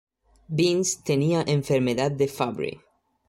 Vince tenía Enfermedad de Fabry.